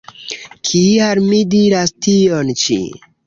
Kial mi diras tion ĉi?